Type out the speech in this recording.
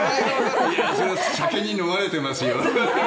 酒に飲まれてますよ。